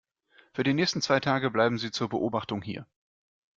Für die nächsten zwei Tage bleiben Sie zur Beobachtung hier.